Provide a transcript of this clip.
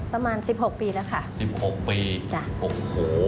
ประมาณ๑๖ปีแล้วค่ะ